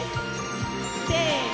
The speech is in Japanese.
せの！